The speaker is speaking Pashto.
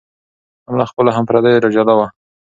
هم له خپلو هم پردیو را جلا وه